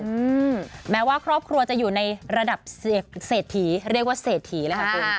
อืมแม้ว่าครอบครัวจะอยู่ในระดับเศรษฐีเรียกว่าเศรษฐีเลยค่ะคุณ